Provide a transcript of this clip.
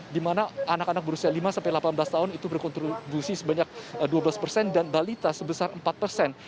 di mana anak anak berusia lima sampai delapan belas tahun itu berkontribusi sebanyak dua belas persen dan balita sebesar empat persen